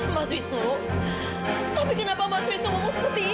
mas wisnu tapi kenapa mas wisno ngomong seperti ini